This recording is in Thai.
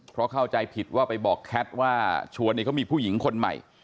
เพราะเข้าใจผิดว่าไปบอกแคทว่าชวนเขามีผู้หญิงคนใหม่